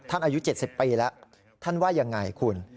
อายุ๗๐ปีแล้วท่านว่ายังไงคุณ